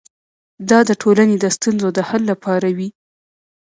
دا د ټولنې د ستونزو د حل لپاره وي.